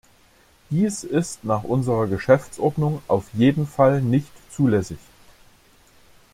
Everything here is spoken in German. Dies ist nach unserer Geschäftsordnung auf jeden Fall nicht zulässig.